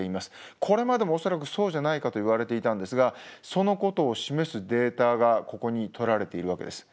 これまでも恐らくそうじゃないかといわれていたんですがそのことを示すデータがここにとられているわけです。